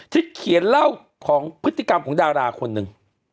ที่เขียนเล่าของพฤติกรรมของดาราคนหนึ่ง